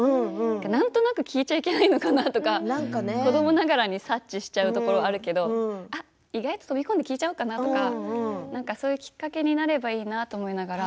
なんとなく聞いちゃいけないのかなとか子どもながらに察知したところがあるけれど、意外と飛び込んで聞いちゃおうかなとかそういうきっかけになったらいいなと。